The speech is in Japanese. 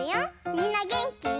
みんなげんき？